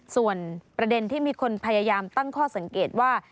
ส่วนประเด็นที่มีคนพยายามตั้งข้อสังเกตว่า